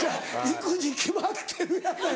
行くに決まってるやない。